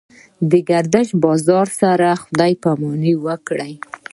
د ګرشک بازار سره خدای پاماني وکړه.